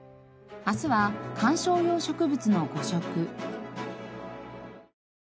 明日は観賞用植物の誤食。